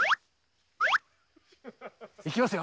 行きますよ。